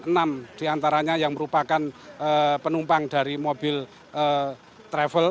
enam diantaranya yang merupakan penumpang dari mobil travel